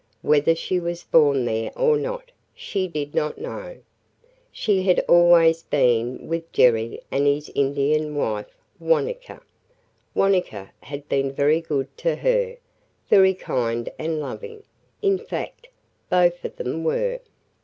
Whether she was born there or not, she did not know. She had always been with Jerry and his Indian wife, Wanetka. Wanetka had been very good to her, very kind and loving; in fact, both of them were.